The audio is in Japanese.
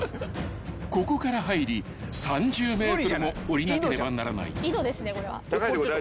［ここから入り３０ｍもおりなければならない］